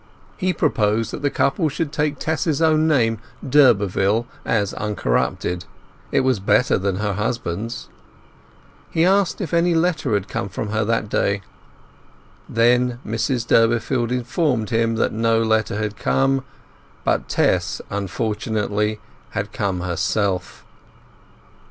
He proposed that the couple should take Tess's own name, d'Urberville, as uncorrupted. It was better than her husbands's. He asked if any letter had come from her that day. Then Mrs Durbeyfield informed him that no letter had come, but Tess unfortunately had come herself.